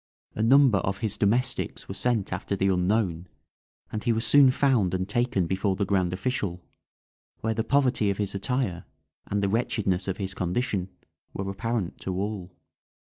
A number of his domestics were sent after the unknown, and he was soon found and taken before the grand official, where the poverty of his attire, and the wretchedness of his condition, were apparent to all.